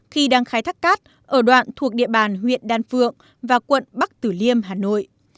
khi đang khai thác cát ở đoạn thuộc địa bàn huyện đan phượng và quận bắc tử liêm hà nội